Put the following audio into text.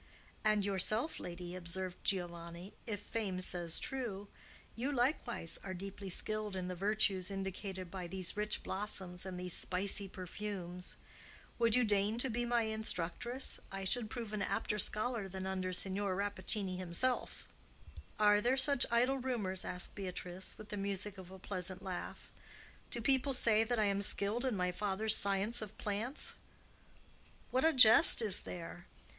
"And yourself, lady," observed Giovanni, "if fame says true,—you likewise are deeply skilled in the virtues indicated by these rich blossoms and these spicy perfumes. Would you deign to be my instructress, I should prove an apter scholar than if taught by Signor Rappaccini himself." "Are there such idle rumors?" asked Beatrice, with the music of a pleasant laugh. "Do people say that I am skilled in my father's science of plants? What a jest is there!